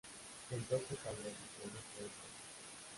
El golpe falló, pero pudo escapar.